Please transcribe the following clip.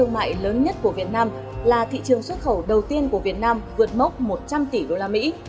thương mại lớn nhất của việt nam là thị trường xuất khẩu đầu tiên của việt nam vượt mốc một trăm linh tỷ đô la mỹ